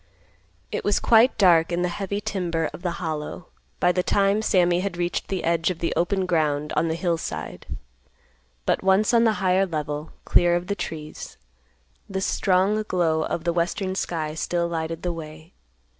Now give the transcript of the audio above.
It was quite dark in the heavy timber of the Hollow by the time Sammy had reached the edge of the open ground on the hill side, but once on the higher level, clear of the trees, the strong glow of the western sky still lighted the way.